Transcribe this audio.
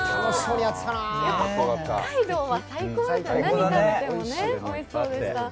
北海道は最高ですよ、何食べてもね、おいしそうでした。